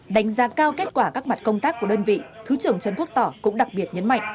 đánh giá cao kết quả các mặt công tác của đơn vị thứ trưởng trần quốc tỏ cũng đặc biệt nhấn mạnh